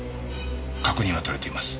確認は取れています。